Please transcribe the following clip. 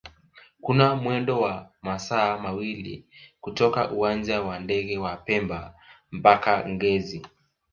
kuna mwendo wa masaa mawili kutoka uwanja wa ndege wa pemba mpaka ngezi